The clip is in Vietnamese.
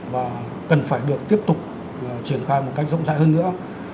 và cần phải được tiếp tục triển khai một cách rộng rãi hơn nữa